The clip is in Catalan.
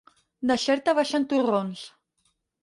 De Xerta baixen torrons.